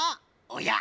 おや？